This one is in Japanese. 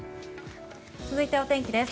続いてお天気です。